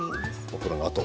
お風呂のあと？